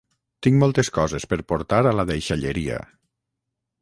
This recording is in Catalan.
tinc moltes coses per portar a la deixalleria